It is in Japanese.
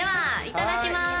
いただきまーす。